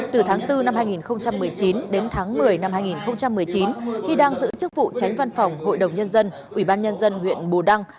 từ tháng bốn năm hai nghìn một mươi chín đến tháng một mươi năm hai nghìn một mươi chín khi đang giữ chức vụ tránh văn phòng hội đồng nhân dân ủy ban nhân dân huyện bù đăng